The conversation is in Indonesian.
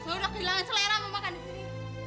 bu udah kehilangan selera mau makan di sini